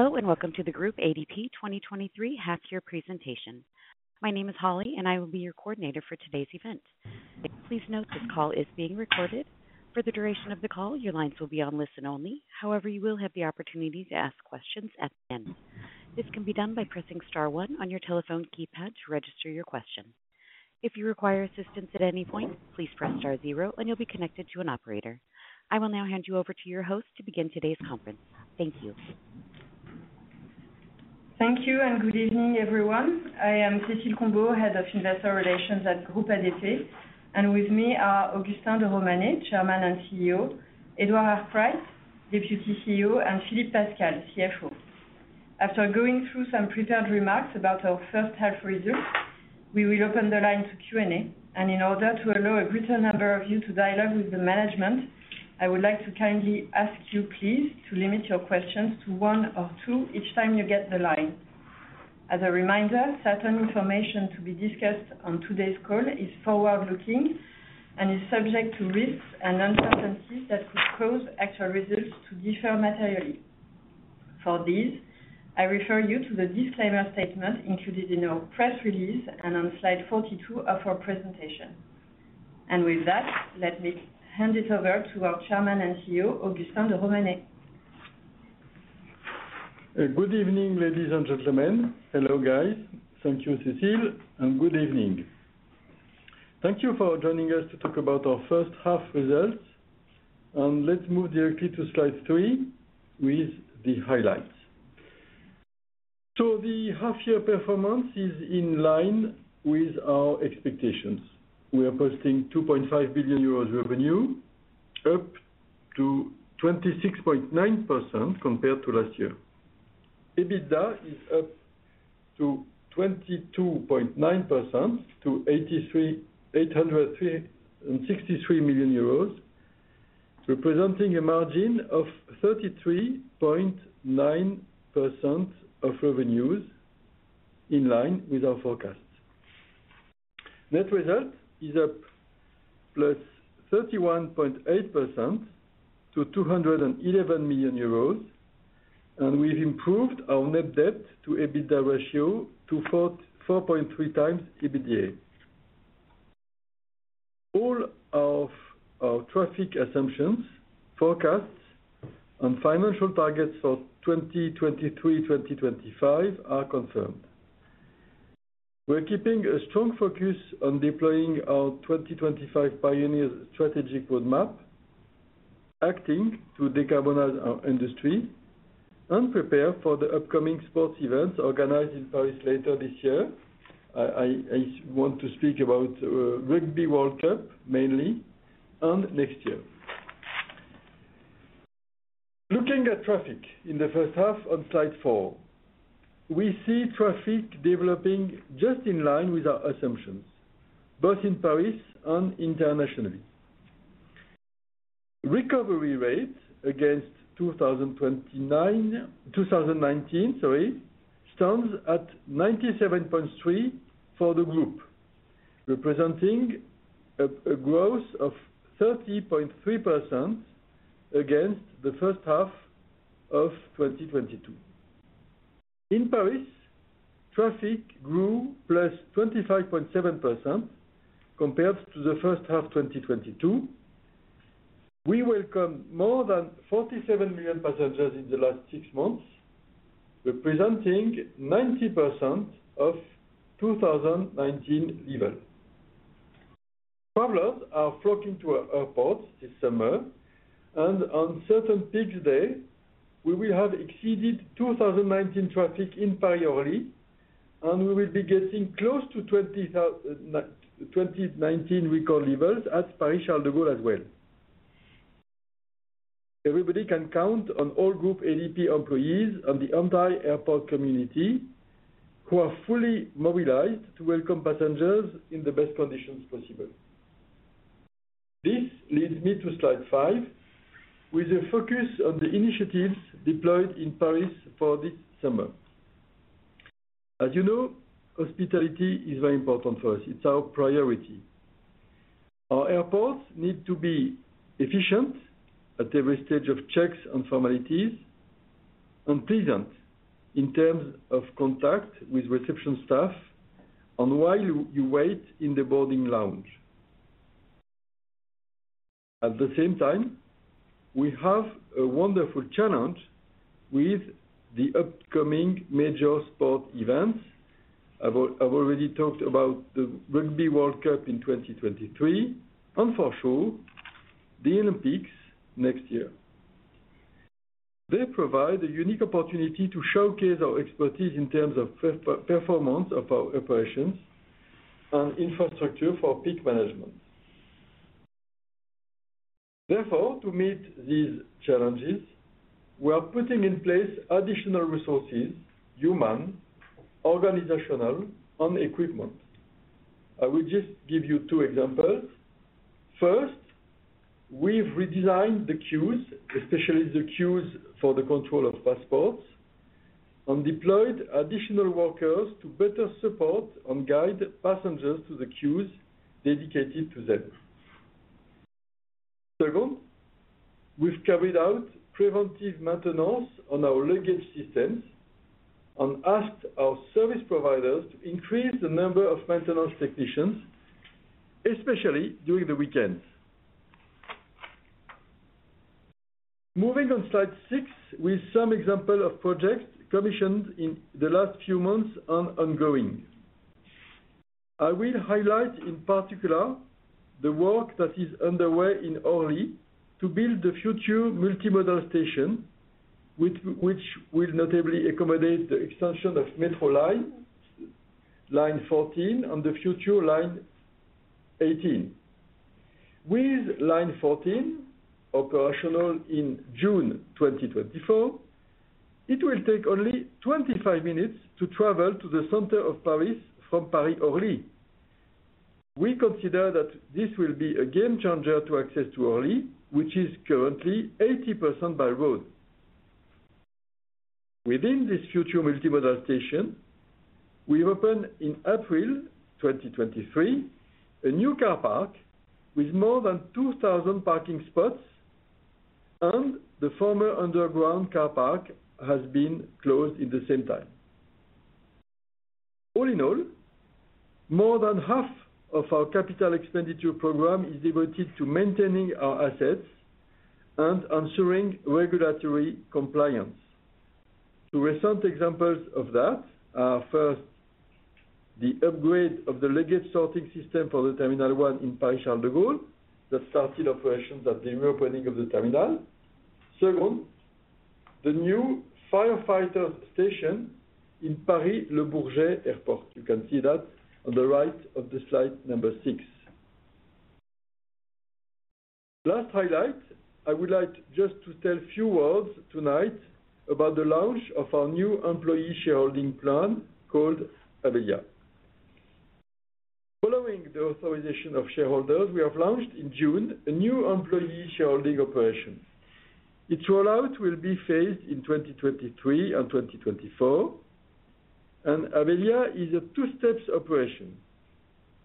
Hello, welcome to the Groupe ADP 2023 half year presentation. My name is Holly, and I will be your coordinator for today's event. Please note, this call is being recorded. For the duration of the call, your lines will be on listen only. You will have the opportunity to ask questions at the end. This can be done by pressing star one on your telephone keypad to register your question. If you require assistance at any point, please press star zero, and you'll be connected to an operator. I will now hand you over to your host to begin today's conference. Thank you. Thank you, good evening, everyone. I am Cécile Combeau, Head of Investor Relations at Groupe ADP, and with me are Augustin de Romanet, Chairman and CEO, Edward Arkwright, Deputy CEO, and Philippe Pascal, CFO. After going through some prepared remarks about our first half results, we will open the line to Q&A. In order to allow a greater number of you to dialogue with the management, I would like to kindly ask you, please, to limit your questions to one or two each time you get the line. As a reminder, certain information to be discussed on today's call is forward-looking and is subject to risks and uncertainties that could cause actual results to differ materially. For these, I refer you to the disclaimer statement included in our press release and on slide 42 of our presentation. With that, let me hand it over to our Chairman and CEO, Augustin de Romanet. Good evening, ladies and gentlemen. Hello, guys. Thank you, Cécile. Good evening. Thank you for joining us to talk about our first half results. Let's move directly to slide three with the highlights. The half-year performance is in line with our expectations. We are posting 2.5 billion euros revenue, up to 26.9% compared to last year. EBITDA is up to 22.9% to 863 million euros, representing a margin of 33.9% of revenues, in line with our forecasts. Net result is up +31.8% to 211 million euros. We've improved our net debt to EBITDA ratio to 4.3x EBITDA. All of our traffic assumptions, forecasts, and financial targets for 2023/2025 are confirmed. We're keeping a strong focus on deploying our 2025 Pioneers strategic roadmap, acting to decarbonize our industry and prepare for the upcoming sports events organized in Paris later this year. I want to speak about Rugby World Cup, mainly, and next year. Looking at traffic in the first half on slide four, we see traffic developing just in line with our assumptions, both in Paris and internationally. Recovery rate against 2019, sorry, stands at 97.3 for the group, representing a growth of 30.3% against the first half of 2022. In Paris, traffic grew +25.7% compared to the first half 2022. We welcome more than 47 million passengers in the last six months, representing 90% of 2019 level. Travelers are flocking to our airports this summer, and on certain peak days, we will have exceeded 2019 traffic in Paris Orly, and we will be getting close to 2019 record levels at Paris-Charles de Gaulle as well. Everybody can count on all Groupe ADP employees and the entire airport community, who are fully mobilized to welcome passengers in the best conditions possible. This leads me to slide five, with a focus on the initiatives deployed in Paris for this summer. As you know, hospitality is very important for us. It's our priority. Our airports need to be efficient at every stage of checks and formalities, and pleasant in terms of contact with reception staff and while you wait in the boarding lounge. At the same time, we have a wonderful challenge with the upcoming major sport events. I've already talked about the Rugby World Cup in 2023, for sure, the Olympics next year. They provide a unique opportunity to showcase our expertise in terms of performance of our operations and infrastructure for peak management. Therefore, to meet these challenges, we are putting in place additional resources, human, organizational, and equipment. I will just give you two examples. First, we've redesigned the queues, especially the queues for the control of passports, deployed additional workers to better support and guide passengers to the queues dedicated to them. Second, we've carried out preventive maintenance on our luggage systems asked our service providers to increase the number of maintenance technicians, especially during the weekends. Moving on slide six, with some example of projects commissioned in the last few months and ongoing. I will highlight, in particular, the work that is underway in Orly to build the future multimodal station, which will notably accommodate the extension of metro Line 14 and the future Line 18. With Line 14, operational in June 2024, it will take only 25 minutes to travel to the center of Paris from Paris Orly. We consider that this will be a game changer to access to Orly, which is currently 80% by road. Within this future multimodal station, we opened in April 2023, a new car park with more than 2,000 parking spots, and the former underground car park has been closed at the same time. All in all, more than half of our capital expenditure program is devoted to maintaining our assets and ensuring regulatory compliance. Two recent examples of that are, first, the upgrade of the luggage sorting system for the terminal one in Paris-Charles de Gaulle, that started operations at the reopening of the terminal. Second, the new firefighter station in Paris-Le Bourget Airport. You can see that on the right of the slide number six. Last highlight, I would like just to tell a few words tonight about the launch of our new employee shareholding plan called Abelia. Following the authorization of shareholders, we have launched in June, a new employee shareholding operation. Its rollout will be phased in 2023 and 2024, Abelia is a two steps operation.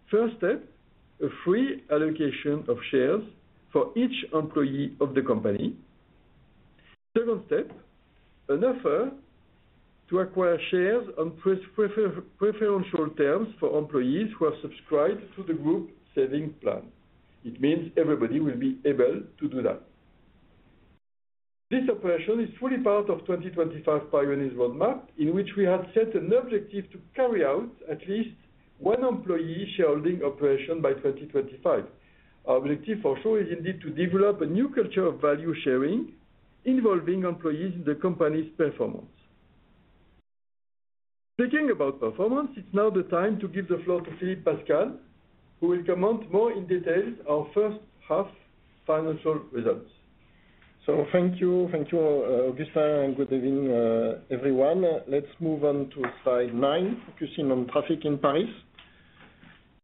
First step, a free allocation of shares for each employee of the company. Second step, an offer to acquire shares on preferential terms for employees who are subscribed to the group saving plan. It means everybody will be able to do that. This operation is fully part of 2025 Pioneers roadmap, in which we have set an objective to carry out at least one employee shareholding operation by 2025. Our objective, for sure, is indeed to develop a new culture of value sharing, involving employees in the company's performance. Speaking about performance, it's now the time to give the floor to Philippe Pascal, who will comment more in detail our first half financial results. Thank you. Thank you, Augustin, and good evening, everyone. Let's move on to slide nine, focusing on traffic in Paris.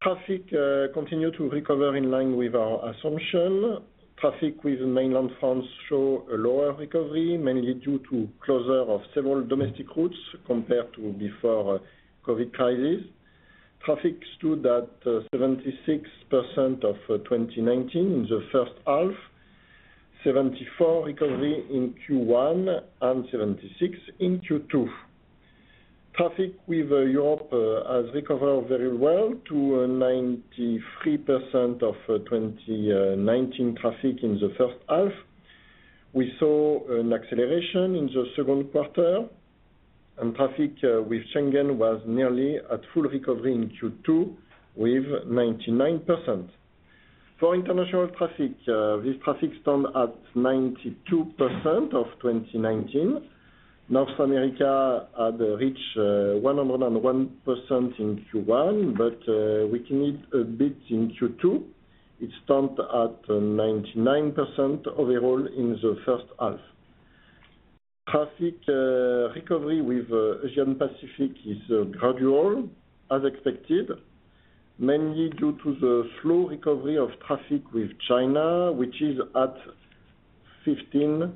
Traffic, continue to recover in line with our assumption. Traffic with mainland France show a lower recovery, mainly due to closure of several domestic routes compared to before, COVID crisis. Traffic stood at 76% of 2019 in the first half, 74 recovery in Q1, and 76 in Q2. Traffic with Europe has recovered very well to 93% of 2019 traffic in the first half. We saw an acceleration in the second quarter, and traffic with Schengen was nearly at full recovery in Q2 with 99%. For international traffic, this traffic stood at 92% of 2019. North America had reached 101% in Q1, weakened a bit in Q2. It stood at 99% overall in the first half. Traffic recovery with Asia-Pacific is gradual, as expected, mainly due to the slow recovery of traffic with China, which is at 15%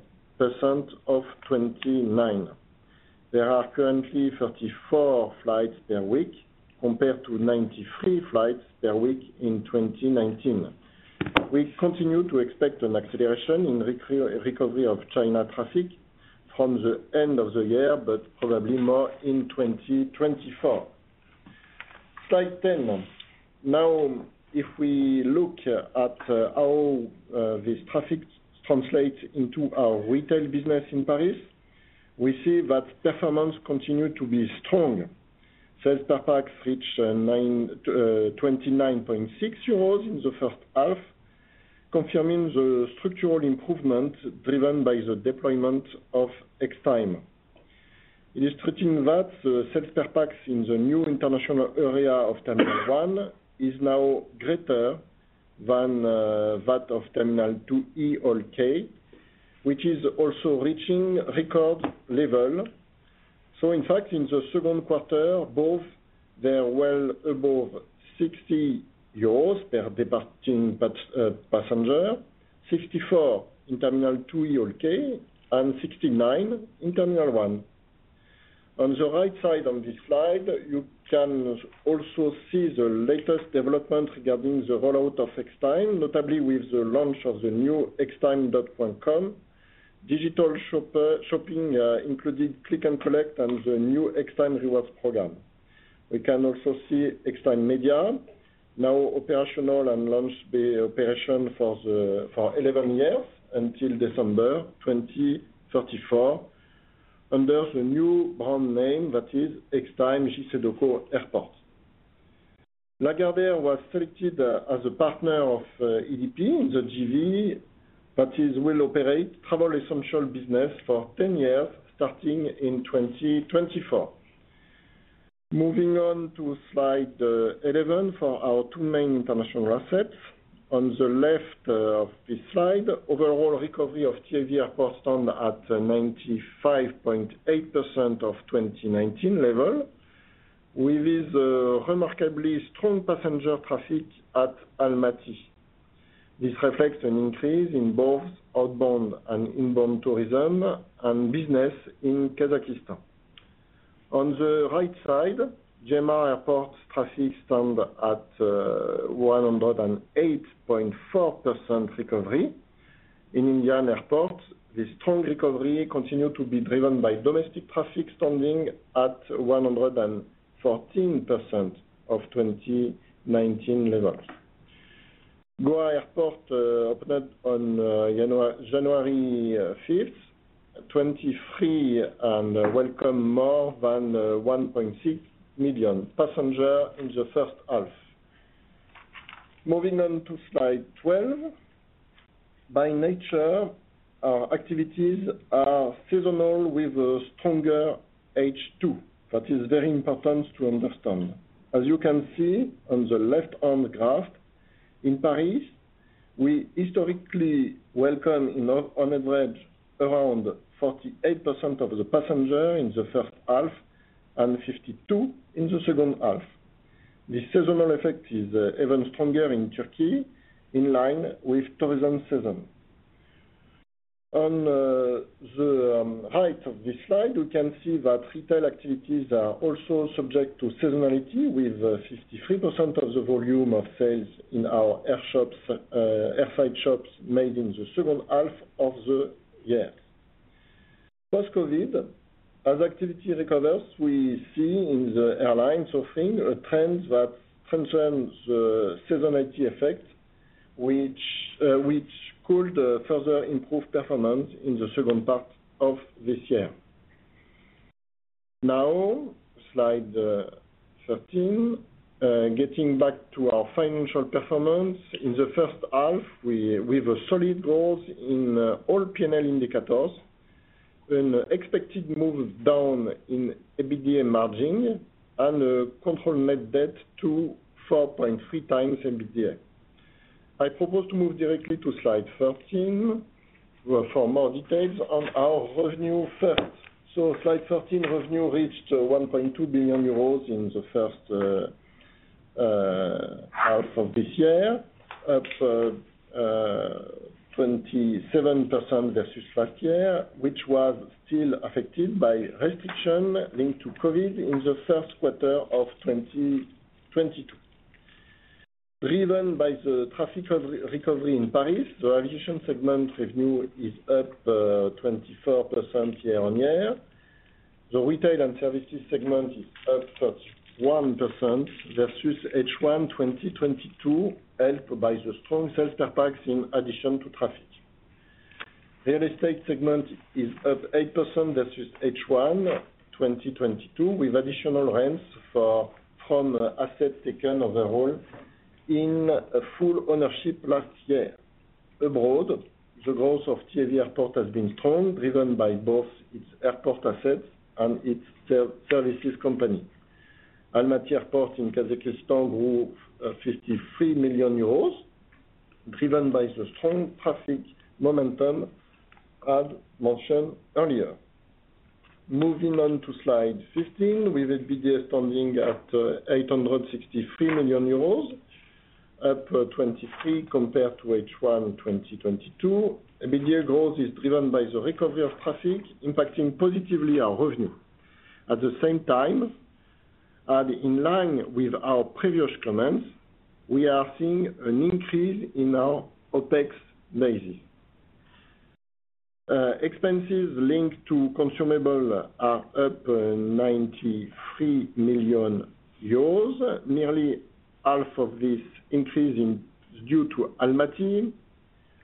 of 2019. There are currently 34 flights per week, compared to 93 flights per week in 2019. We continue to expect an acceleration in recovery of China traffic from the end of the year, but probably more in 2024. Slide 10. If we look at how this traffic translates into our retail business in Paris, we see that performance continued to be strong. Sales per pax reached 29.6 euros in the first half, confirming the structural improvement driven by the deployment of Extime. Illustrating that Sales/PAX in the new international area of Terminal 1 is now greater than that of Terminal 2E or K, which is also reaching record level. In fact, in the second quarter, both they are well above 60 euros per departing passenger, 64 in Terminal 2E or K, and 69 in Terminal 1. On the right side on this slide, you can also see the latest development regarding the rollout of Extime, notably with the launch of the new Extime.com. Digital shopping included click and collect and the new Extime Rewards program. We can also see Extime Media, now operational and launch the operation for 11 years until December 2034, under the new brand name that is Extime JCDecaux Airports. Lagardère was selected as a partner of ADP in the JV, that is, will operate travel essential business for 10 years, starting in 2024. Moving on to slide 11 for our two main international assets. On the left of this slide, overall recovery of TAV Airports stand at 95.8% of 2019 level, with this remarkably strong passenger traffic at Almaty. This reflects an increase in both outbound and inbound tourism and business in Kazakhstan. On the right side, GMR Airports' traffic stand at 108.4% recovery. In Indian airports, this strong recovery continued to be driven by domestic traffic, standing at 114% of 2019 levels. Goa Airport opened on January 5th, 2023, and welcomed more than 1.6 million passenger in the first half. Moving on to slide 12. By nature, our activities are seasonal with a stronger H2, that is very important to understand. As you can see on the left-hand graph, in Paris, we historically welcome on average, around 48% of the passenger in the first half and 52 in the second half. This seasonal effect is even stronger in Turkey, in line with tourism season. On the right of this slide, we can see that retail activities are also subject to seasonality, with 53% of the volume of sales in our airshops, airside shops made in the second half of the year. Post-COVID, as activity recovers, we see in the airlines offering a trend that concerns the seasonality effect, which could further improve performance in the second part of this year. Slide 13. Getting back to our financial performance. In the first half, we have a solid growth in all P&L indicators, an expected move down in EBITDA margin and control net debt to 4.3x EBITDA. I propose to move directly to slide 13 for more details on our revenue first. Slide 13, revenue reached 1.2 billion euros in the first half of this year, up 27% versus last year, which was still affected by restriction linked to COVID in the first quarter of 2022. Driven by the traffic recovery in Paris, the aviation segment revenue is up 24% year-on-year. The retail and services segment is up at 1% versus H1 2022, helped by the strong Sales/PAX in addition to traffic. Real estate segment is up 8% versus H1 2022, with additional rents from assets taken overall in a full ownership last year. Abroad, the growth of TAV Airports has been strong, driven by both its airport assets and its services company. Almaty Airport in Kazakhstan grew 53 million euros, driven by the strong traffic momentum I had mentioned earlier. Moving on to slide 15, with EBITDA standing at 863 million euros, up 23 compared to H1 2022. EBITDA growth is driven by the recovery of traffic, impacting positively our revenue. At the same time, and in line with our previous comments, we are seeing an increase in our OpEx basis. Expenses linked to consumable are up 93 million euros. Nearly half of this increase is due to Almaty,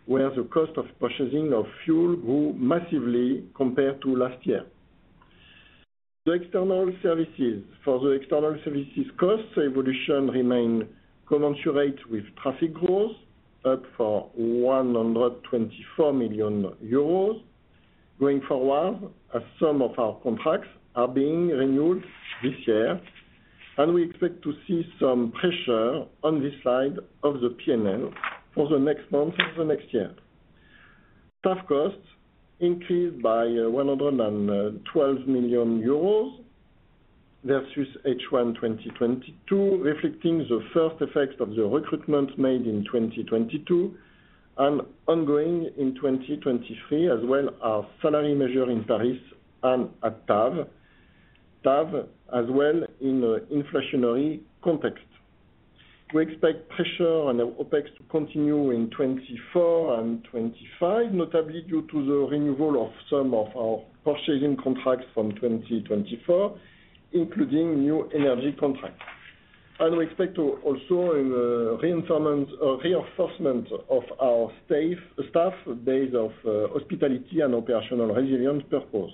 where the cost of purchasing of fuel grew massively compared to last year. The external services. For the external services costs, evolution remain commensurate with traffic growth, up for 124 million euros. Going forward, as some of our contracts are being renewed this year, we expect to see some pressure on this side of the P&L for the next months and the next year. Staff costs increased by 112 million euros versus H1 2022, reflecting the first effects of the recruitment made in 2022, and ongoing in 2023, as well our salary measure in Paris and at TAV. TAV, as well in a inflationary context. We expect pressure on our OpEx to continue in 2024 and 2025, notably due to the renewal of some of our purchasing contracts from 2024, including new energy contracts. We expect to also reinforcement of our staff base of hospitality and operational resilience purpose.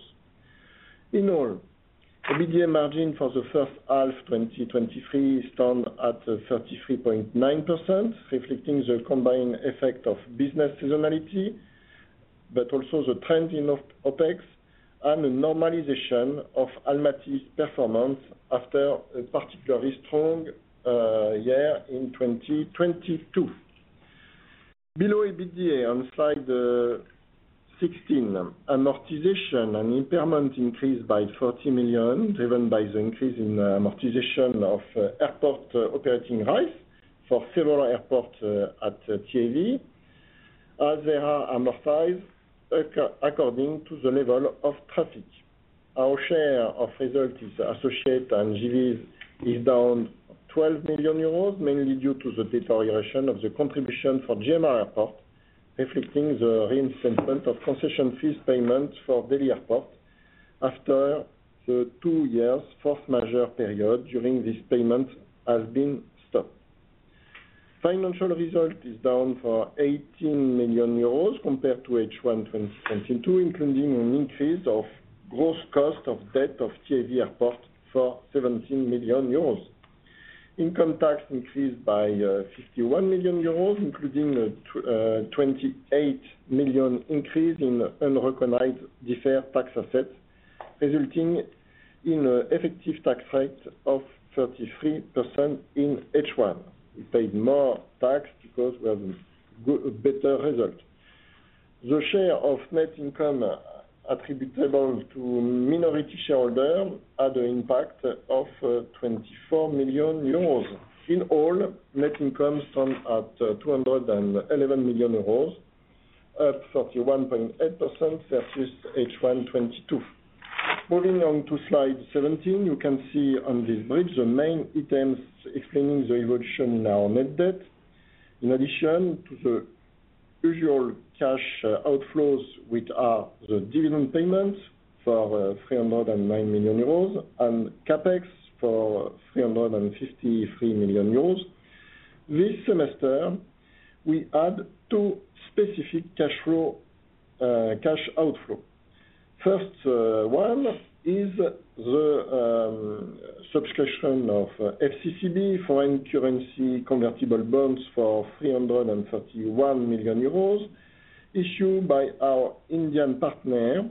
In all, EBITDA margin for the first half, 2023, stand at 33.9%, reflecting the combined effect of business seasonality, but also the trend in OpEx and a normalization of Almaty's performance after a particularly strong year in 2022. Below EBITDA, on slide 16, amortization and impairment increased by 40 million, driven by the increase in amortization of airport operating rights for several airports at TAV, as they are amortized according to the level of traffic. Our share of result is associate and JVs is down 12 billion euros, mainly due to the deterioration of the contribution for GMR Airports, reflecting the reinstatement of concession fees payments for Delhi Airport after the two years fourth measure period during this payment has been stopped. Financial result is down for 18 million euros compared to H1 2022, including an increase of gross cost of debt of TAV Airports for 17 million euros. Income tax increased by 51 million euros, including a 28 million increase in unrecognized deferred tax assets, resulting in an effective tax rate of 33% in H1. We paid more tax because we have good, a better result. The share of net income attributable to minority shareholder had an impact of 24 million euros. In all, net income stand at 211 million euros, up 31.8% versus H1 2022. Moving on to slide 17, you can see on this bridge, the main items explaining the evolution in our net debt. In addition to the usual cash outflows, which are the dividend payments for 309 million euros and CapEx for 353 million euros, this semester, we add two specific cash outflow. First, one is the subscription of FCCB, Foreign Currency Convertible Bonds, for 331 million euros, issued by our Indian partner.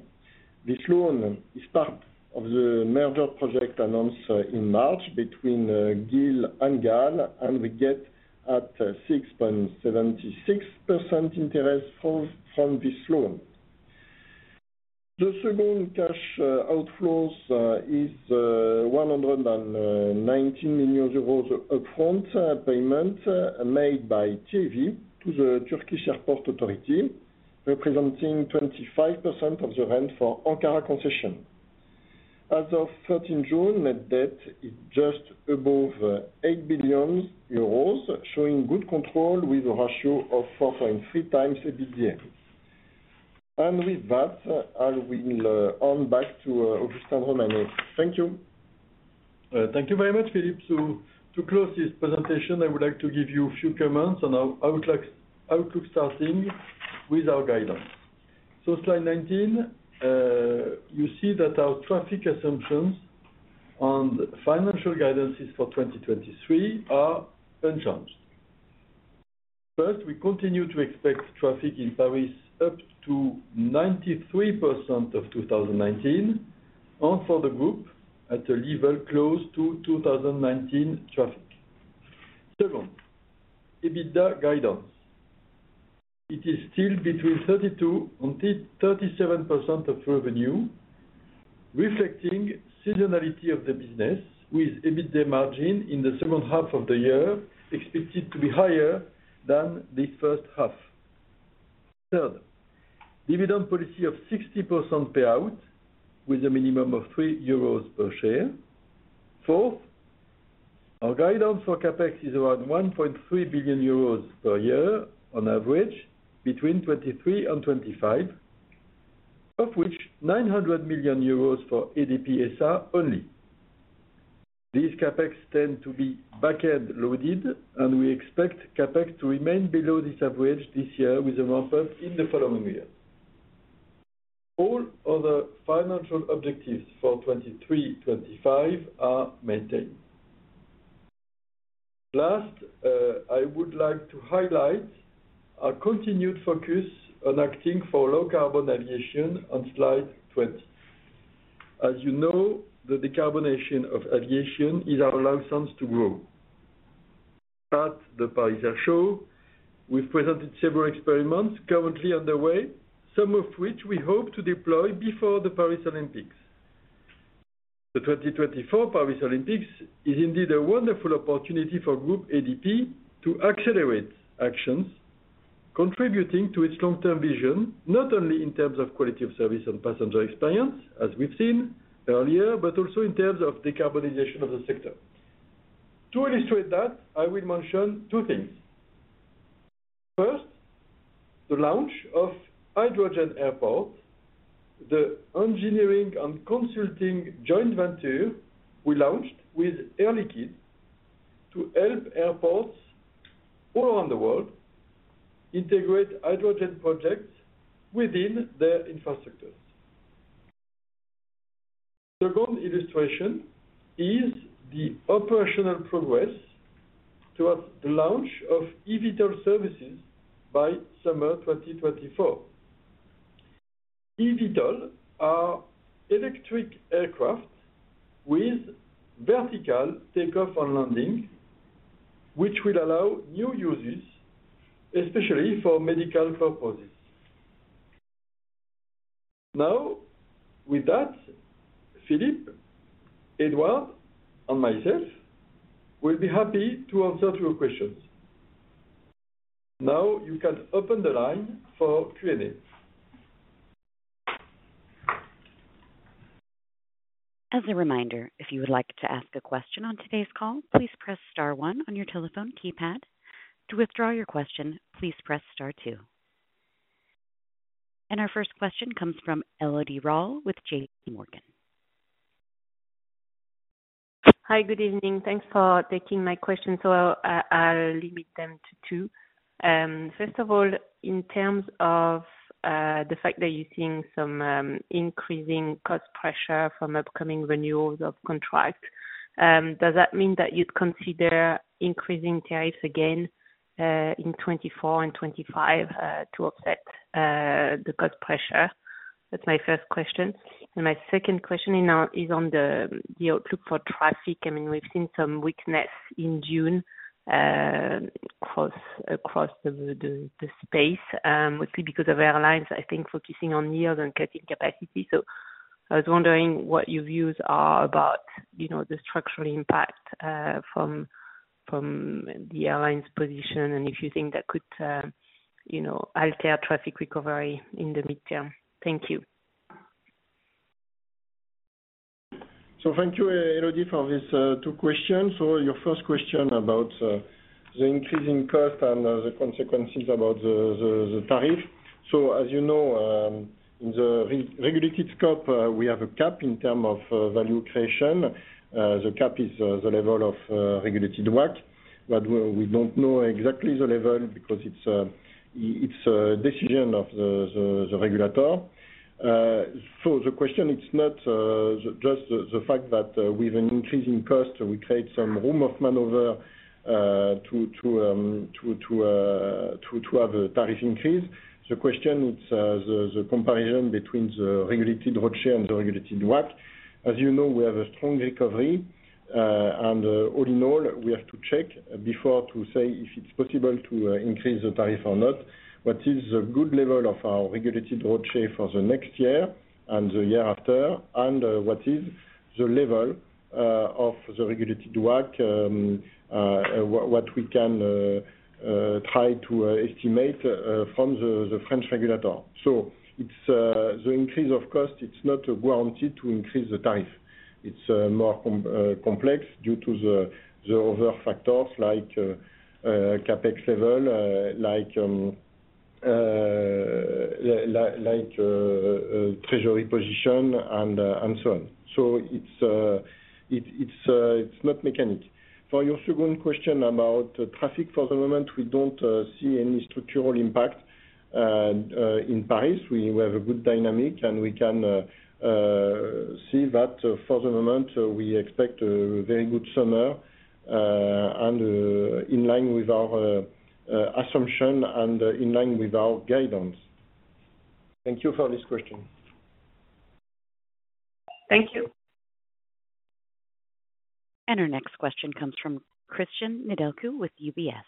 This loan is part of the merger project announced in March between GIL and GAL, we get at 6.76% interest from this loan. The second cash outflows is 190 million euros upfront payment made by TAV to the State Airports Authority, representing 25% of the rent for Ankara concession. As of 13 June, net debt is just above 8 billion euros, showing good control with a ratio of 4.3xEBITDA. With that, I will hand back to Augustin de Romanet. Thank you. Thank you very much, Philippe. To close this presentation, I would like to give you a few comments on our outlook, starting with our guidance. Slide 19, you see that our traffic assumptions and financial guidances for 2023 are unchanged. First, we continue to expect traffic in Paris up to 93% of 2019, and for the group, at a level close to 2019 traffic. Second, EBITDA guidance. It is still between 32%-37% of revenue, reflecting seasonality of the business, with EBITDA margin in the second half of the year expected to be higher than the first half. Third, dividend policy of 60% payout, with a minimum of 3 euros per share. Fourth, our guidance for CapEx is around 1.3 billion euros per year on average, between 2023 and 2025, of which 900 million euros for ADP SA only. These CapEx tend to be back end loaded, We expect CapEx to remain below this average this year with a ramp up in the following years. All other financial objectives for 2023, 2025 are maintained. Last, I would like to highlight our continued focus on acting for low carbon aviation on slide 20. As you know, the decarbonization of aviation is our license to grow. at the Paris Air Show, we've presented several experiments currently underway, some of which we hope to deploy before the Paris Olympics. The 2024 Paris Olympics is indeed a wonderful opportunity for Groupe ADP to accelerate actions, contributing to its long-term vision, not only in terms of quality of service and passenger experience, as we've seen earlier, but also in terms of decarbonization of the sector. To illustrate that, I will mention two things. First, the launch of Hydrogen Airport, the engineering and consulting joint venture we launched with Air Liquide to help airports all around the world integrate hydrogen projects within their infrastructures. The second illustration is the operational progress towards the launch of eVTOL services by summer 2024. eVTOL are electric aircraft with vertical takeoff and landing, which will allow new uses, especially for medical purposes. With that, Philippe, Edouard, and myself will be happy to answer to your questions. You can open the line for Q&A. As a reminder, if you would like to ask a question on today's call, please press star one on your telephone keypad. To withdraw your question, please press star two. Our first question comes from Elodie Rall with JPMorgan. Hi, good evening. Thanks for taking my question. I'll limit them to 2. First of all, in terms of the fact that you're seeing some increasing cost pressure from upcoming renewals of contracts, does that mean that you'd consider increasing tariffs again in 2024 and 2025 to offset the cost pressure? That's my first question. My second question is on the outlook for traffic. I mean, we've seen some weakness in June across the space, mostly because of airlines, I think, focusing on yields and cutting capacity. I was wondering what your views are about, you know, the structural impact from the airline's position, and if you think that could, you know, alter traffic recovery in the midterm. Thank you. Thank you, Elodie, for these two questions. Your first question about the increasing cost and the consequences about the tariff. As you know, in the re-regulated scope, we have a cap in term of value creation. The cap is the level of regulated WACC, but we don't know exactly the level because it's a decision of the regulator. The question, it's not just the fact that with an increasing cost, we create some room of maneuver to have a tariff increase. The question, it's the comparison between the regulated share and the regulated WACC. As you know, we have a strong recovery, and all in all, we have to check before to say if it's possible to increase the tariff or not. What is the good level of our regulated growth share for the next year and the year after, and what is the level of the regulated WACC, what we can try to estimate from the French regulator? It's the increase of cost, it's not a guarantee to increase the tariff. It's more complex due to the other factors like CapEx level, like treasury position and so on. It's not mechanic. For your second question about traffic, for the moment, we don't see any structural impact in Paris. We have a good dynamic, and we can see that for the moment. We expect a very good summer, and in line with our assumption and in line with our guidance. Thank you for this question. Thank you. Our next question comes from Cristian Nedelcu with UBS.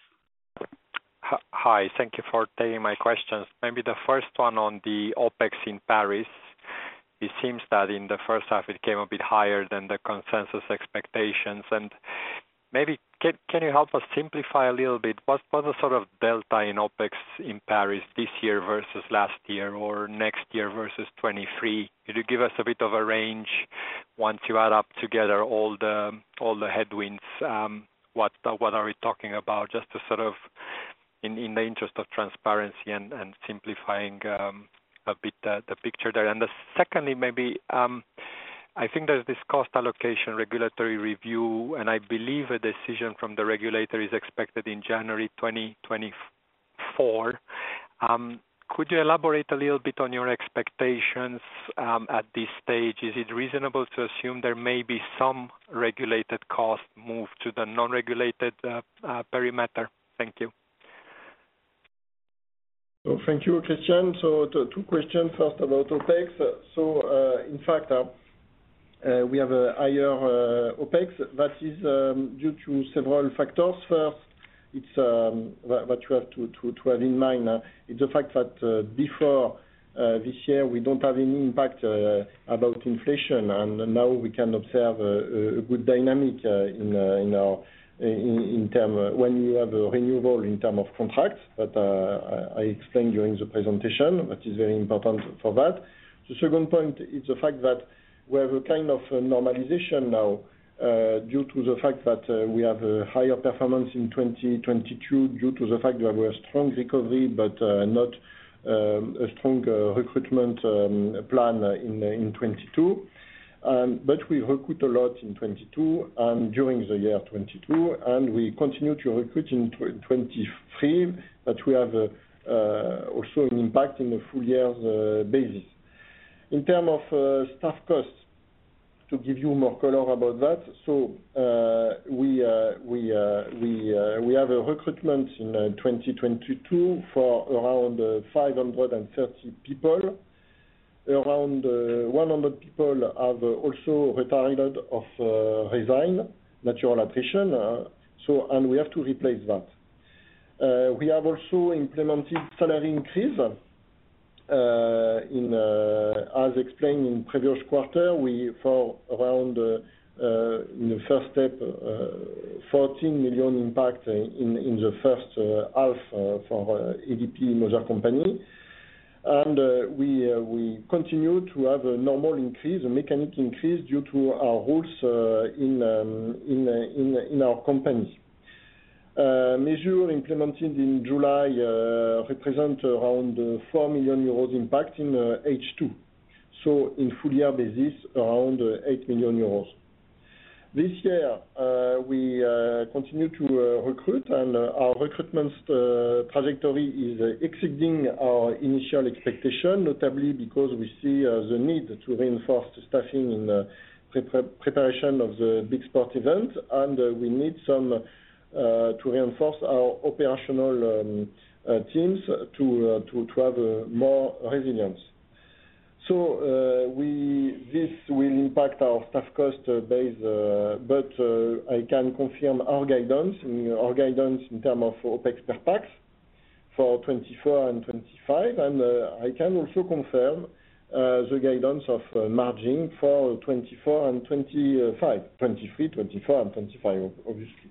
Hi, thank you for taking my questions. Maybe the first one on the OpEx in Paris, it seems that in the first half, it came a bit higher than the consensus expectations. Maybe can you help us simplify a little bit? What's the sort of delta in OpEx in Paris this year versus last year or next year versus 23? Could you give us a bit of a range once you add up together all the headwinds, what are we talking about? Just to sort of in the interest of transparency and simplifying a bit the picture there. Secondly, maybe, I think there's this cost allocation regulatory review, and I believe a decision from the regulator is expected in January 2024. Could you elaborate a little bit on your expectations at this stage? Is it reasonable to assume there may be some regulated cost move to the non-regulated perimeter? Thank you. Thank you, Cristian. two questions. First, about OpEx. In fact, we have a higher OpEx that is due to several factors. First, it's what you have to have in mind is the fact that before this year, we don't have any impact about inflation, and now we can observe a good dynamic when you have a renewable in term of contracts, but I explained during the presentation, that is very important for that. The second point is the fact that we have a kind of normalization now, due to the fact that we have a higher performance in 2022, due to the fact that we have a strong recovery, but not a strong recruitment plan in 2022. We recruit a lot in 2022 and during the year 2022, and we continue to recruit in 2023, but we have also an impact in a full year basis. In terms of staff costs, to give you more color about that, we have a recruitment in 2022 for around 530 people. Around 100 people have also retired of resign, natural attrition, so, and we have to replace that. We have also implemented salary increase, in, as explained in previous quarter, we for around, in the first step, 14 million impact in the first half for ADP mother company. We continue to have a normal increase, a mechanic increase, due to our roles in our company. Measure implemented in July, represent around 4 million euros impact in H2. In full year basis, around 8 million euros. We continue to recruit, and our recruitment trajectory is exceeding our initial expectation, notably because we see the need to reinforce staffing in preparation of the big sport event, and we need some to reinforce our operational teams to have more resilience. This will impact our staff cost base, I can confirm our guidance in term of OpEx per pax for 2024 and 2025. I can also confirm the guidance of margin for 2024 and 2025. 2023, 2024 and 2025, obviously.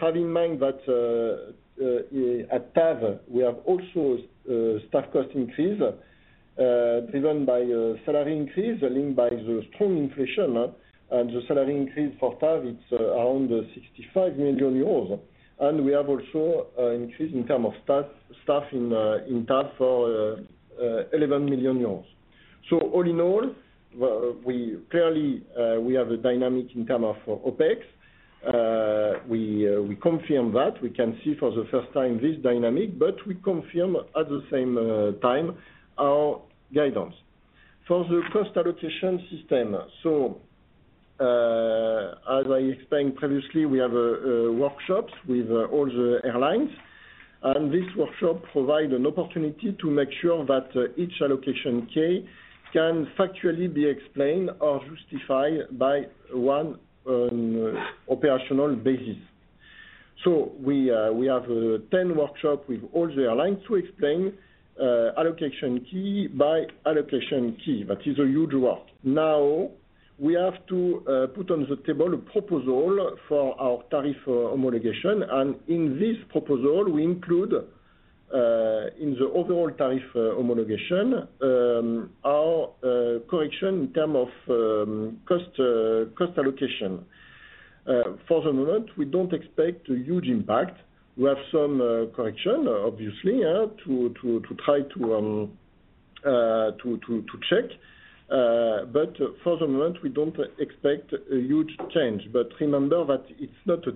Have in mind that at TAV, we have also staff cost increase driven by a salary increase and by the strong inflation. The salary increase for TAV, it's around 65 million euros. We have also an increase in term of staff in TAV for 11 million euros. All in all, well, we clearly, we have a dynamic in term of OpEx. We confirm that. We can see for the first time this dynamic, we confirm at the same time our guidance. For the first allocation system, as I explained previously, we have workshops with all the airlines, and this workshop provide an opportunity to make sure that each allocation key can factually be explained or justified by one operational basis. We have 10 workshop with all the airlines to explain allocation key by allocation key. That is a huge work. Now, we have to put on the table a proposal for our tariff homologation, and in this proposal, we include in the overall tariff homologation our correction in term of cost cost allocation. For the moment, we don't expect a huge impact. We have some correction, obviously, to try to check, but for the moment, we don't expect a huge change. Remember that it's not a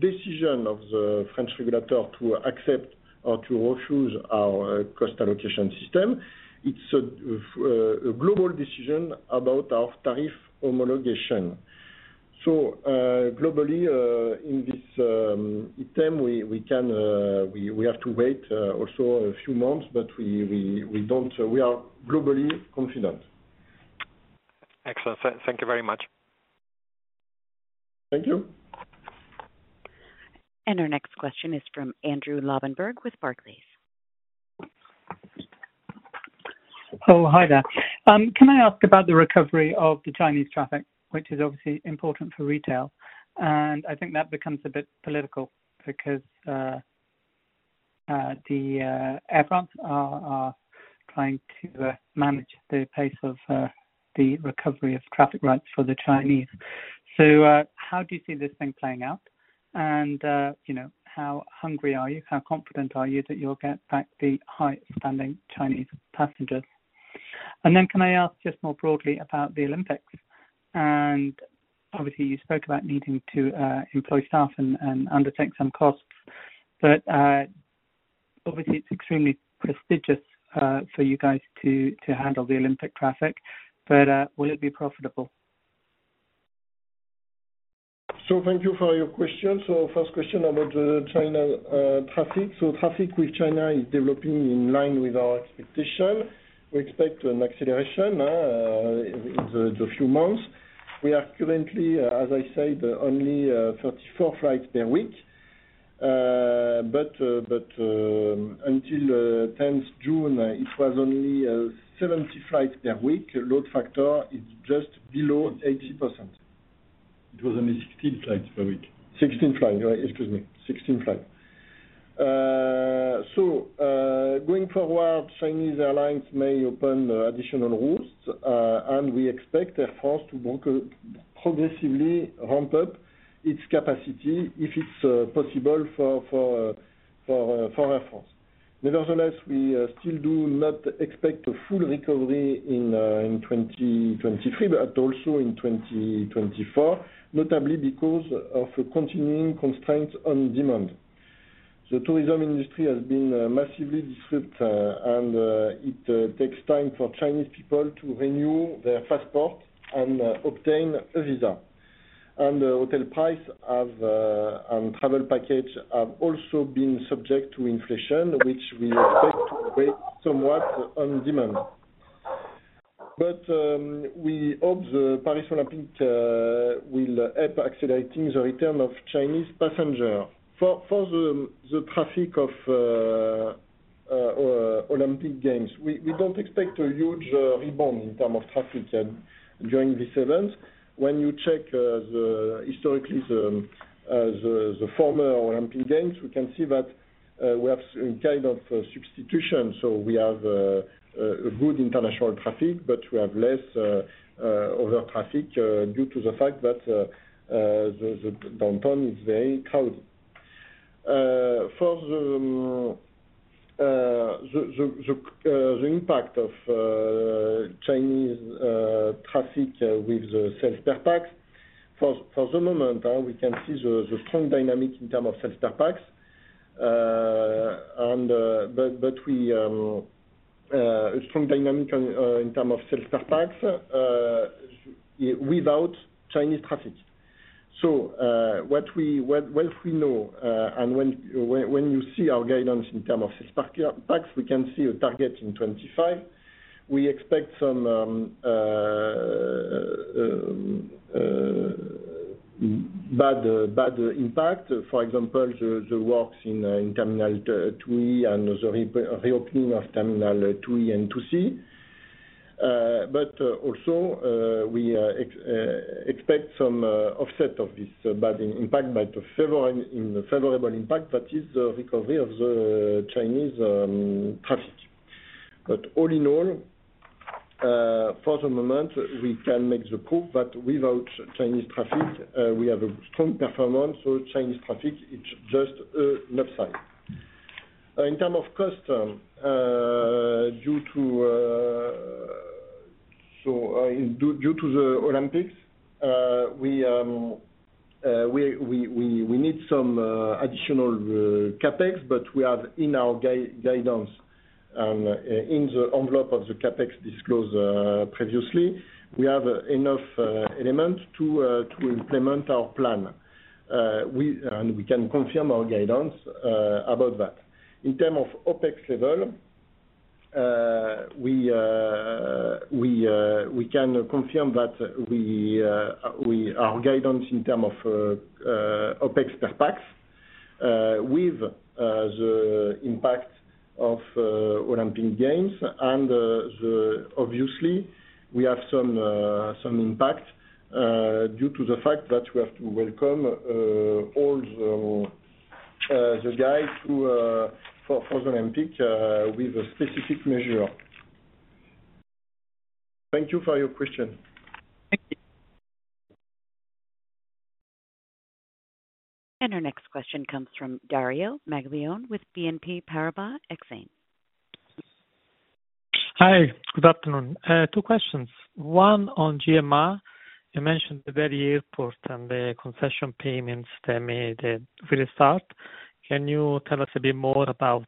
decision of the French regulator to accept or to refuse our cost allocation system. It's a global decision about our tariff homologation. Globally, in this item, we have to wait also a few months, but we are globally confident. Excellent. Thank you very much. Thank you. Our next question is from Andrew Lobbenberg with Barclays. Hi there. Can I ask about the recovery of the Chinese traffic, which is obviously important for retail? I think that becomes a bit political because the airlines are trying to manage the pace of the recovery of traffic rights for the Chinese. How do you see this thing playing out? You know, how hungry are you? How confident are you that you'll get back the high-spending Chinese passengers? Can I ask just more broadly about the Olympics? Obviously, you spoke about needing to employ staff and undertake some costs, but obviously, it's extremely prestigious for you guys to handle the Olympic traffic, but will it be profitable? Thank you for your question. First question about the China, traffic. Traffic with China is developing in line with our expectation. We expect an acceleration in the few months. We are currently, as I said, only 34 flights per week. But until 10th June, it was only 70 flights per week. Load factor is just below 80%. It was only 16 flights per week. 16 flights, excuse me, 16 flights. Going forward, Chinese airlines may open additional routes, and we expect Air France to more progressively ramp up its capacity, if it's possible for Air France. Nevertheless, we still do not expect a full recovery in 2023, but also in 2024, notably because of continuing constraints on demand. The tourism industry has been massively disrupt, and it takes time for Chinese people to renew their passport and obtain a visa. Hotel price have and travel package have also been subject to inflation, which we expect to weigh somewhat on demand. We hope the Paris Olympics will help accelerating the return of Chinese passenger. For the traffic of Olympic Games, we don't expect a huge rebound in term of traffic during this event. When you check historically, the former Olympic Games, we can see that we have kind of a substitution. We have a good international traffic, but we have less other traffic due to the fact that the downtown is very crowded. For the impact of Chinese traffic with the sales per pax, for the moment, we can see the strong dynamic in terms of sales per pax. We strong dynamic on in term of sales per pax without Chinese traffic. What we know, when you see our guidance in terms of sales per pax, we can see a target in 2025. We expect some bad impact. For example, the works in Terminal 2E and the reopening of Terminal 2E and Terminal 2C. Also, we expect some offset of this bad impact in the favorable impact, that is the recovery of the Chinese traffic. All in all, for the moment, we can make the call, but without Chinese traffic, we have a strong performance, Chinese traffic is just an upside. In terms of custom, due to. So, uh, due, due to the Olympics, uh, we, um, uh, we, we, we, we need some, uh, additional, uh, CapEx, but we have in our gui- guidance, um, in the envelope of the CapEx disclosed, uh, previously, we have enough, uh, elements to, uh, to implement our plan. Uh, we, and we can confirm our guidance, uh, about that. In term of OpEx level, uh, we, uh, we, uh, we can confirm that we, uh, we, our guidance in term of, uh, uh, OpEx per pax, uh, with, uh, the impact of, uh, Olympic Games and, uh, the obviously, we have some, uh, some impact, uh, due to the fact that we have to welcome, uh, all the, uh, the guys who, uh, for, for the Olympic, uh, with a specific measure. Thank you for your question. Thank you. Our next question comes from Dario Maglione with BNP Paribas Exane. Hi, good afternoon. two questions. One on GMR. You mentioned the very airport and the concession payments that made a really start. Can you tell us a bit more about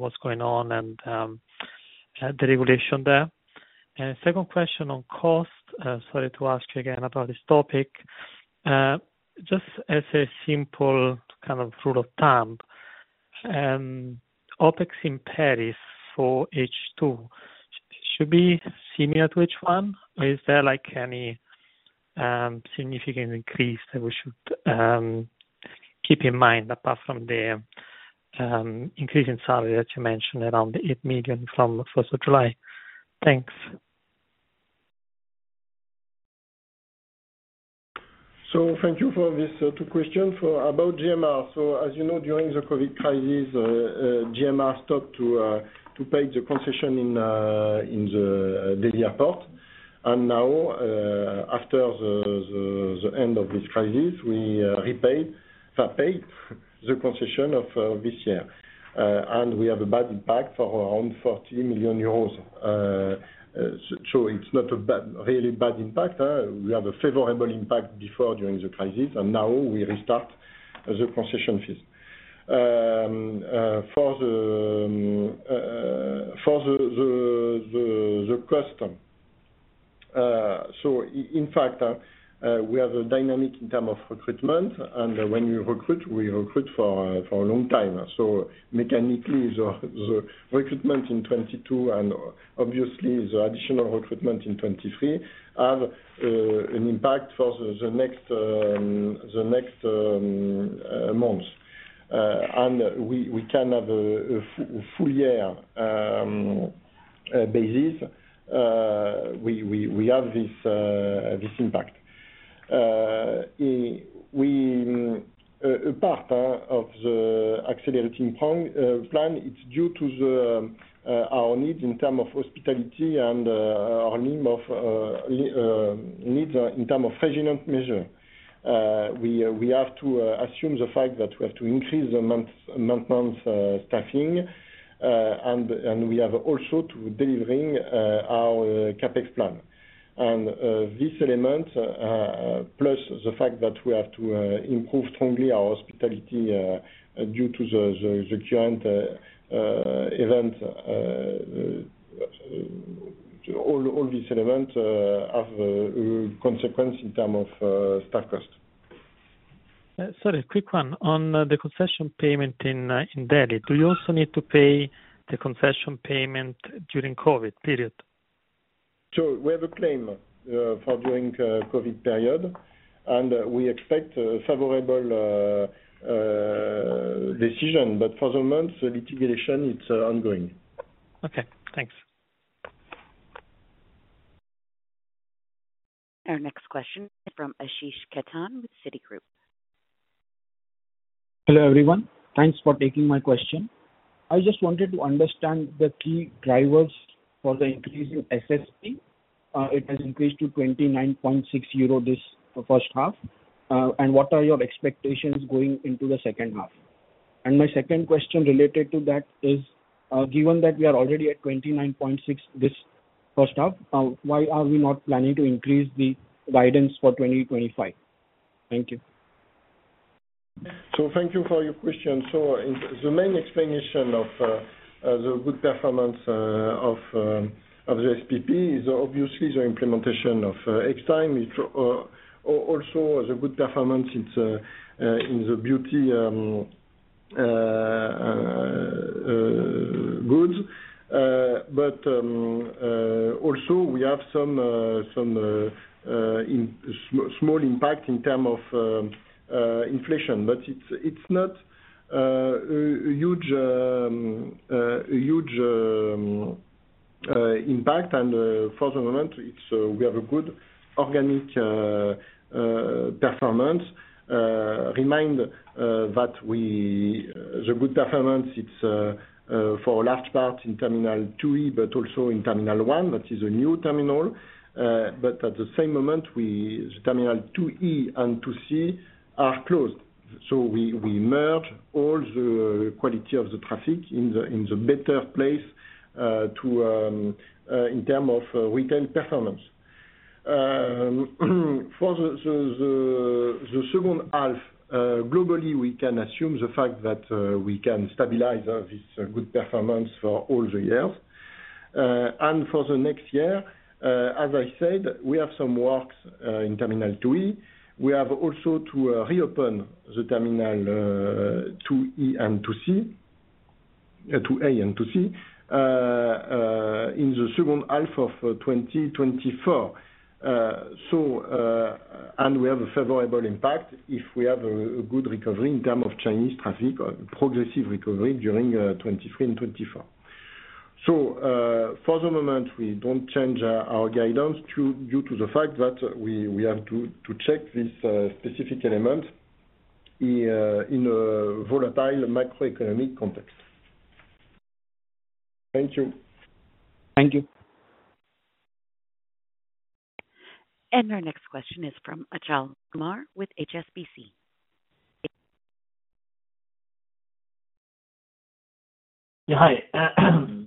what's going on and the regulation there? Second question on cost, sorry to ask you again about this topic. Just as a simple kind of rule of thumb, OpEx in Paris for H2, should be similar to H1, or is there, like, any significant increase that we should keep in mind, apart from the increase in salary that you mentioned around the 8 million from 1st of July? Thanks. Thank you for this two question. About GMR. As you know, during the COVID crisis, GMR stopped to pay the concession in the Delhi Airport. Now, after the end of this crisis, we paid the concession of this year. We have a bad impact for around 40 million euros. It's not a really bad impact, we have a favorable impact before, during the crisis, and now we restart the concession fees. In fact, we have a dynamic in term of recruitment, and when we recruit, we recruit for a long time. Mechanically, the recruitment in 2022 and obviously the additional recruitment in 2023, have an impact for the next months. We can have a full year basis, we have this impact. We a part of the Accor hotel team plan, it's due to the our needs in term of hospitality and our needs in term of measurement. We have to assume the fact that we have to increase the month staffing, and we have also to delivering our CapEx plan. This element, plus the fact that we have to improve strongly our hospitality, due to the current event, all these elements have a consequence in term of staff cost. Sorry, quick one. On the concession payment in Delhi, do you also need to pay the concession payment during COVID period? We have a claim for during COVID period, and we expect a favorable decision, but for the moment, the litigation, it's ongoing. Okay, thanks. Our next question from Ashish Khetan with Citigroup. Hello, everyone. Thanks for taking my question. I just wanted to understand the key drivers for the increase in SPP. It has increased to 29.6 euro this first half, what are your expectations going into the second half? My second question related to that is, given that we are already at 29.6 this first half, why are we not planning to increase the guidance for 2025? Thank you. Thank you for your question. The main explanation of the good performance of the SPP is obviously the implementation of Extime. It also as a good performance, it's in the beauty goods, but also we have some small impact in term of inflation. It's not a huge impact, and for the moment, it's we have a good organic performance. Remind that the good performance, it's for a large part in Terminal 2E, but also in Terminal 1, that is a new terminal. At the same moment, we, Terminal 2E and 2C are closed. We merge all the quality of the traffic in the better place to in term of retail performance. For the second half, globally, we can assume the fact that we can stabilize this good performance for all the years. For the next year, as I said, we have some works in Terminal 2E. We have also to reopen the terminal 2E and 2C, 2A and 2C in the second half of 2024. We have a favorable impact if we have a good recovery in term of Chinese traffic, a progressive recovery during 2023 and 2024. For the moment, we don't change our guidance due to the fact that we have to check this specific element in a volatile macroeconomic context. Thank you. Thank you. Our next question is from Achal Kumar, with HSBC. Yeah, hi.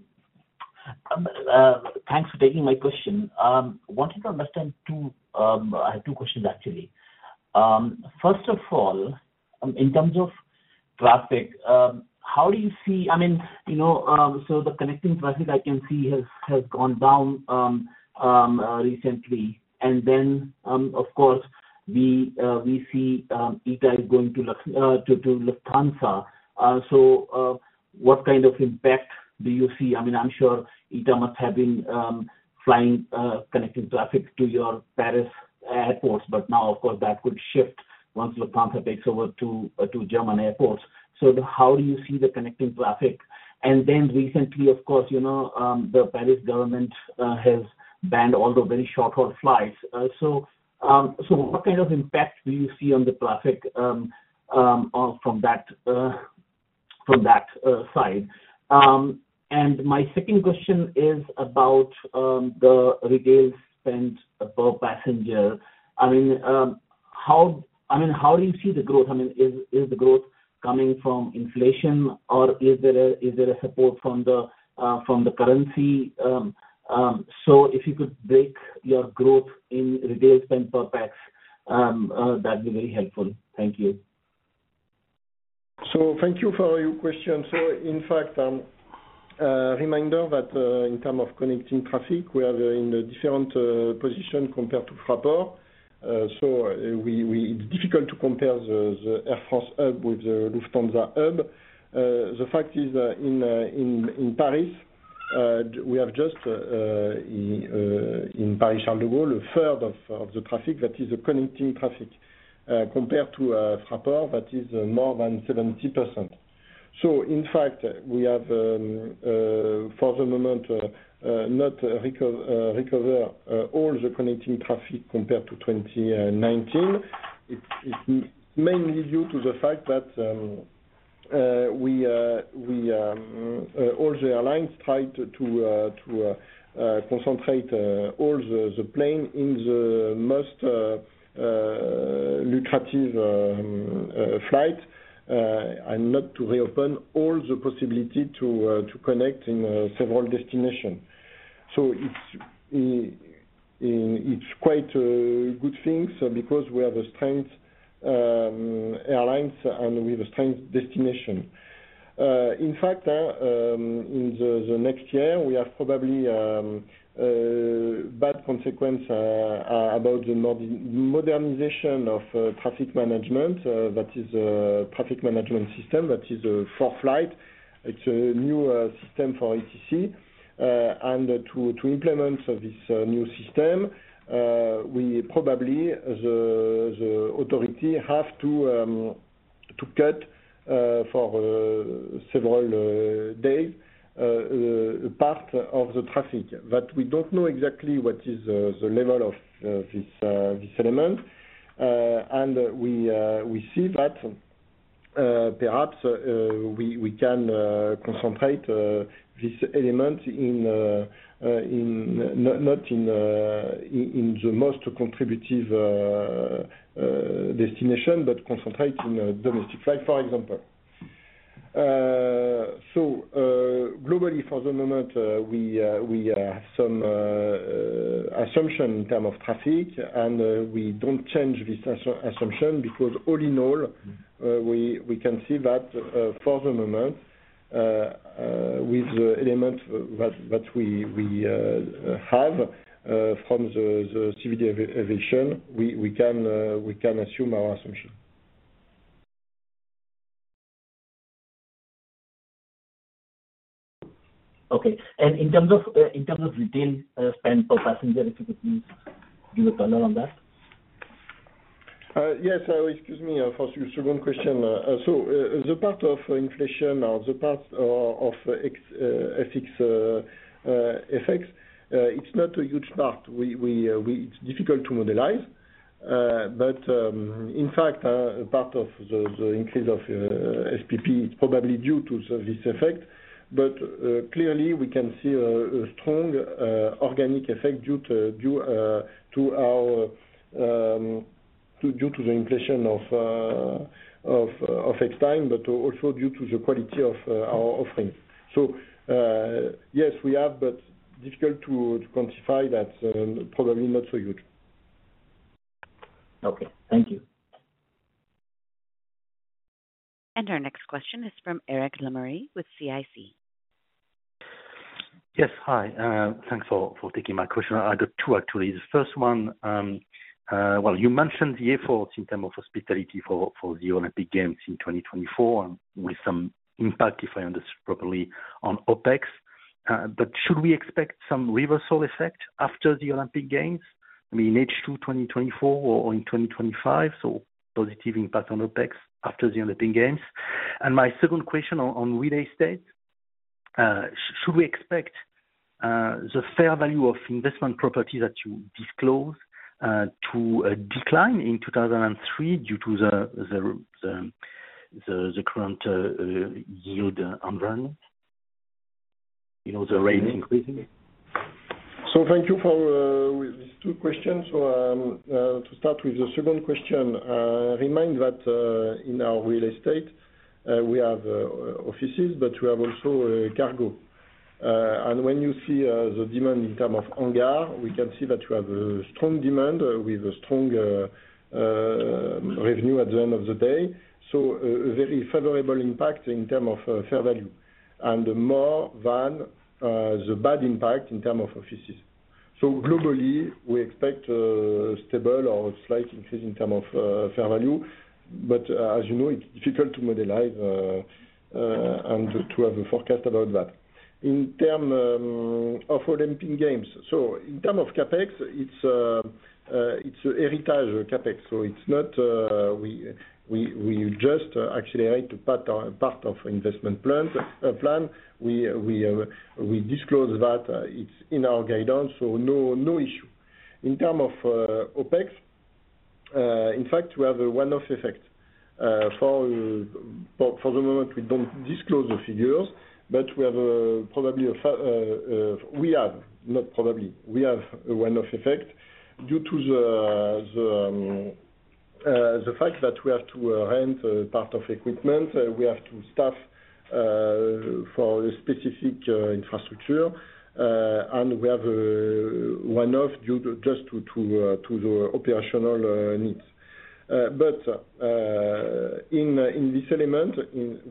Thanks for taking my question. Wanted to understand two, I have two questions, actually. First of all, in terms of traffic, I mean, you know, so the connecting traffic I can see has gone down recently, and then, of course, we see ITA is going to Lufthansa. What kind of impact do you see? I mean, I'm sure ITA must have been flying connecting traffic to your Paris airports, but now, of course, that could shift once Lufthansa takes over to German airports. How do you see the connecting traffic? Recently, of course, you know, the Paris government has banned all the very short-haul flights. So what kind of impact do you see on the traffic from that side? My second question is about the retail spend per passenger. I mean, how do you see the growth? I mean, is the growth coming from inflation, or is there a support from the currency? So if you could break your growth in retail spend per pax, that'd be very helpful. Thank you. Thank you for your question. In fact, reminder that in term of connecting traffic, we are in a different position compared to Fraport. difficult to compare the Air France hub with the Lufthansa hub. The fact is, in Paris, we have just in Paris-Charles de Gaulle, a third of the traffic that is a connecting traffic, compared to Fraport, that is more than 70%. In fact, we have not recover all the connecting traffic compared to 2019. It's mainly due to the fact that we all the airlines try to concentrate all the plane in the most lucrative flight and not to reopen all the possibility to connect in several destination. It's quite a good thing, because we have a strong airlines and we have a strong destination. In fact, in the next year, we have probably bad consequence about the modernization of traffic management, that is traffic management system, that is for flight. It's a new system for ATC and to implement this new system, we probably, the authority have to cut for several days part of the traffic. We don't know exactly what is the level of this element. We see that perhaps we can concentrate this element in, not in the most contributive destination, but concentrate in a domestic flight, for example. Globally, for the moment, we have some assumption in term of traffic. We don't change this assumption, because all in all, we can see that, for the moment, with the element that we have from the Civil Aviation, we can assume our assumption. Okay. In terms of retail, spend per passenger, if you could please give a comment on that? Yes, excuse me, for your second question. The part of inflation or the part of ex, FX, effects, it's not a huge part. We, it's difficult to modelize. In fact, part of the increase of SPP is probably due to this effect. Clearly, we can see a strong organic effect due to, due to our, due to the inflation of Extime, but also due to the quality of our offerings. Yes, we have, but difficult to quantify that, probably not so huge. Okay, thank you. Our next question is from Eric Lemarié with CIC. Yes, hi. Thanks for taking my question. I got two, actually. The first one, well, you mentioned the efforts in term of hospitality for the Olympic Games in 2024, with some impact, if I understand properly, on OpEx. Should we expect some reversal effect after the Olympic Games, maybe in H2 2024 or in 2025, so positive impact on OpEx after the Olympic Games? My second question on real estate, should we expect the fair value of investment property that you disclose to decline in 2003 due to the current yield environment? You know, the rates increasing. Thank you for these two questions. To start with the second question, remind that in our real estate, we have offices, but we have also cargo. When you see the demand in term of hangar, we can see that we have a strong demand with a strong revenue at the end of the day, so a very favorable impact in term of fair value, and more than the bad impact in term of offices. Globally, we expect stable or slight increase in term of fair value, but as you know, it's difficult to modelize and to have a forecast about that. In term of Olympic Games, in term of CapEx, it's a heritage CapEx, it's not we just accelerate part of investment plans. We disclose that it's in our guidance, no issue. In term of OpEx, in fact, we have a one-off effect. For the moment, we don't disclose the figures, we have, not probably, we have a one-off effect due to the fact that we have to rent a part of equipment for a specific infrastructure, we have a one-off due to just to the operational needs. In this element,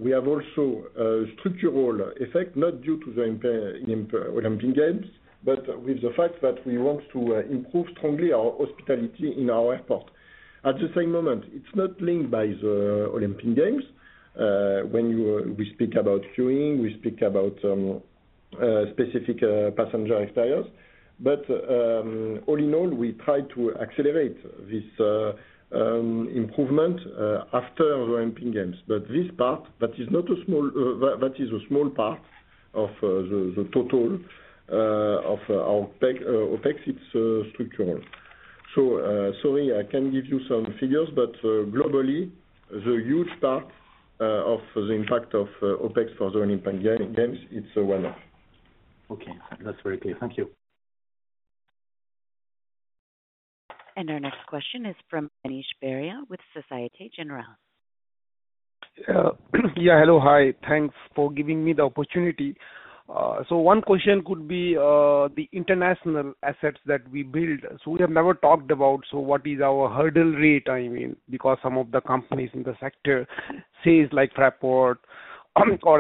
we have also a structural effect, not due to the Olympic Games, but with the fact that we want to improve strongly our hospitality in our airport. At the same moment, it's not linked by the Olympic Games, when we speak about queuing, we speak about specific passenger experience. All in all, we try to accelerate this improvement after the Olympic Games. This part, that is not a small, that is a small part of the total of our peg OpEx, it's structural. Sorry, I can give you some figures, but globally, the huge part of the impact of OpEx for the Olympic Games, it's a one-off. Okay, that's very clear. Thank you. Our next question is from Manish Beria with Société Générale. Yeah, hello, hi. Thanks for giving me the opportunity. One question could be the international assets that we build. We have never talked about, so what is our hurdle rate, I mean, because some of the companies in the sector says, like Fraport, or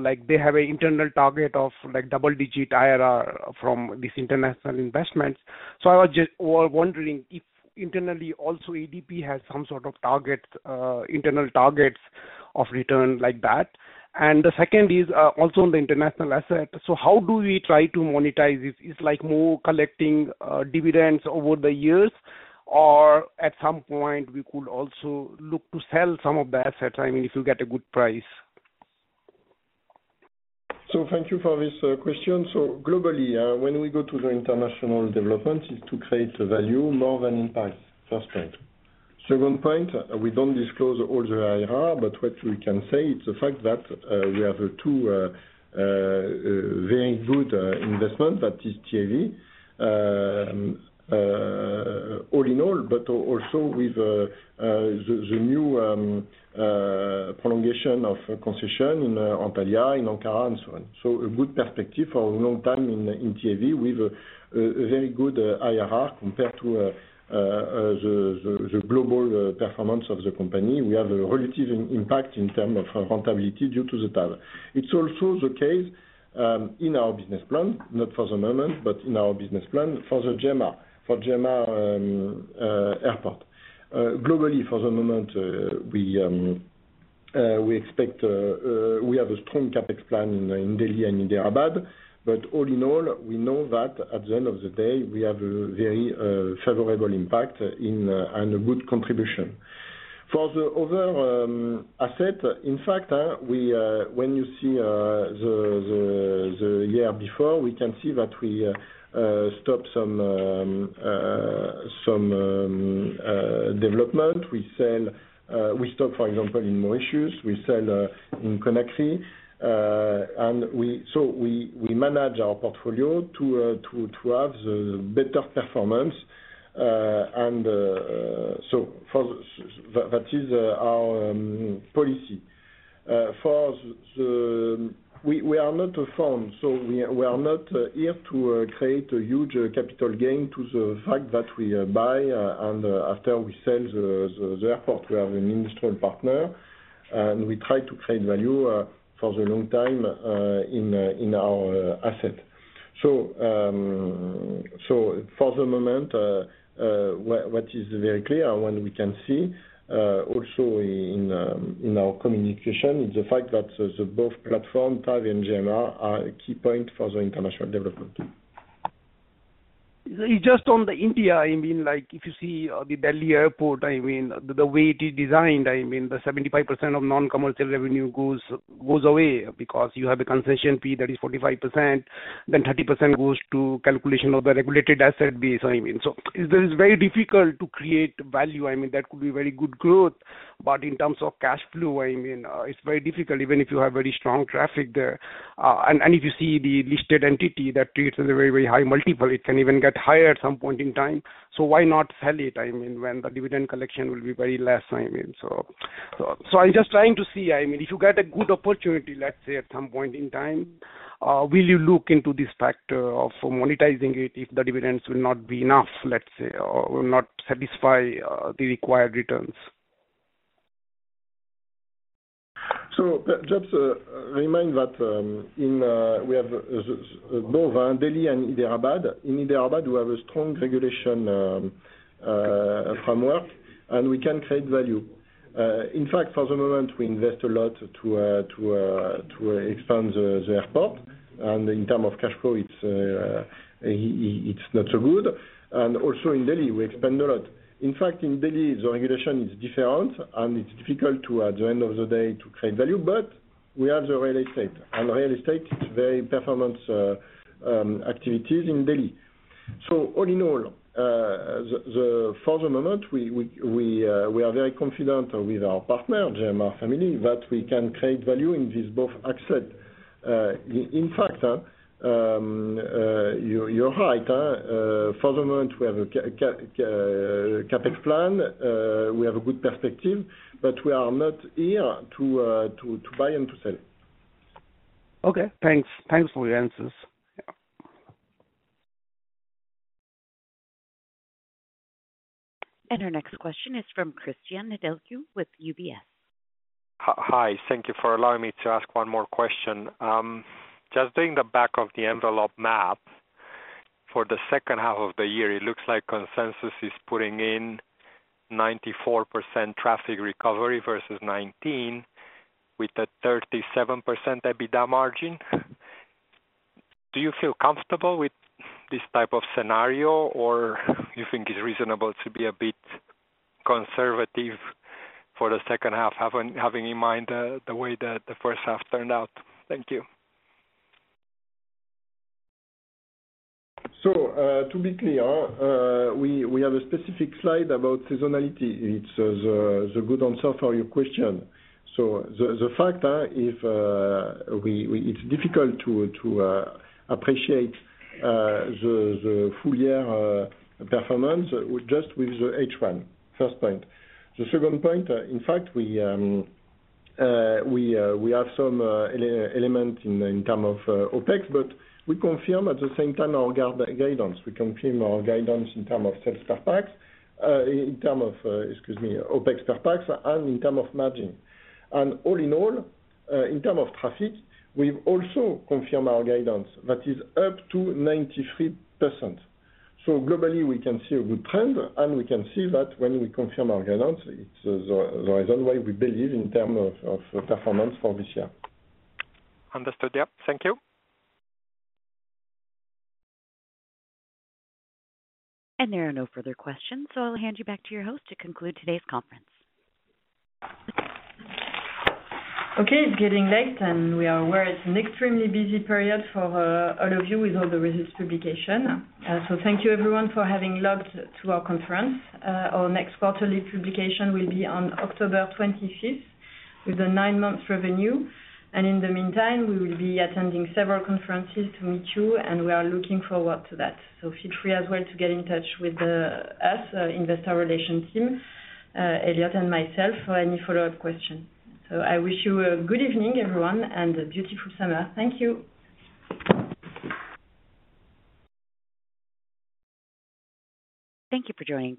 like, they have an internal target of, like, double-digit IRR from these international investments. I was just wondering if internally, also, ADP has some sort of targets, internal targets of return like that. The second is also on the international asset. How do we try to monetize this? It's like more collecting dividends over the years, or at some point, we could also look to sell some of the assets, I mean, if you get a good price? Thank you for this question. Globally, when we go to the international development, is to create value more than impact, first point. Second point, we don't disclose all the IRR, but what we can say is the fact that we have two very good investment, that is TAV. All in all, but also with the new prolongation of concession in Antalya, in Ankara and so on. A good perspective for a long time in TAV, with a very good IRR compared to the global performance of the company. We have a relative impact in terms of profitability due to the TAV. It's also the case, in our business plan, not for the moment, but in our business plan for the GMR, for GMR Airport. Globally, for the moment, we expect, we have a strong CapEx plan in Delhi and Hyderabad. All in all, we know that at the end of the day, we have a very favorable impact in and a good contribution. For the other asset, in fact, we, when you see the year before, we can see that we stopped some development. We sell, we stop, for example, in Mauritius, we sell in Connexie. So we manage our portfolio to have the better performance. So for the... That is our policy. We are not a firm, so we are not here to create a huge capital gain to the fact that we buy and after we sell the airport, we have an industrial partner, and we try to create value for the long time in our asset. For the moment, what is very clear when we can see also in our communication, is the fact that the both platform, TAV and GMR, are a key point for the international development. Just on the India, I mean, like, if you see, the Delhi Airport, I mean, the way it is designed, I mean, the 75% of non-commercial revenue goes away because you have a concession fee that is 45%, then 30% goes to calculation of the regulated asset base, I mean. It is very difficult to create value. I mean, that could be very good growth, but in terms of cash flow, I mean, it's very difficult, even if you have very strong traffic there. And if you see the listed entity that trades at a very, very high multiple, it can even get higher at some point in time. Why not sell it, I mean, when the dividend collection will be very less, I mean? I'm just trying to see, I mean, if you get a good opportunity, let's say, at some point in time, will you look into this factor of monetizing it, if the dividends will not be enough, let's say, or will not satisfy, the required returns? Just remind that we have both Delhi and Hyderabad. In Hyderabad, we have a strong regulation framework, and we can create value. In fact, for the moment, we invest a lot to expand the airport. In terms of cash flow, it's not so good. Also in Delhi, we expand a lot. In fact, in Delhi, the regulation is different, and it's difficult to, at the end of the day, to create value, but we have the real estate. Real estate, it's very performance activities in Delhi. All in all, for the moment, we are very confident with our partner, GMR family, that we can create value in this both asset. In fact, you're right, for the moment, we have a CapEx plan, we have a good perspective, but we are not here to buy and to sell. Okay, thanks. Thanks for your answers. Our next question is from Cristian Nedelcu with UBS. Hi, thank you for allowing me to ask one more question. Just doing the back of the envelope map for the second half of the year, it looks like consensus is putting in 94% traffic recovery versus 2019, with a 37% EBITDA margin. Do you feel comfortable with this type of scenario, or you think it's reasonable to be a bit conservative for the second half, having in mind the way that the first half turned out? Thank you. To be clear, we have a specific slide about seasonality. It's the good answer for your question. The fact, if it's difficult to appreciate the full year performance, just with the H1. First point. The second point, in fact, we have some element in term of OpEx, but we confirm at the same time our guidance. We confirm our guidance in term of sales per pax, in term of, excuse me, OpEx per pax and in term of margin. All in all, in term of traffic, we've also confirmed our guidance, that is up to 93%. Globally, we can see a good trend, and we can see that when we confirm our guidance, it's the reason why we believe in term of performance for this year. Understood. Yep. Thank you. There are no further questions, so I'll hand you back to your host to conclude today's conference. It's getting late, we are aware it's an extremely busy period for all of you with all the results publication. Thank you everyone for having logged to our conference. Our next quarterly publication will be on October 25th, with the nine-month revenue. In the meantime, we will be attending several conferences to meet you, and we are looking forward to that. Feel free as well to get in touch with us, Investor Relations team, Elliot and myself, for any follow-up question. I wish you a good evening, everyone, and a beautiful summer. Thank you! Thank you for joining us.